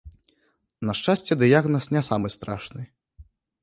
На шчасце, дыягназ не самы страшны.